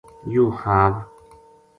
یوہ خواب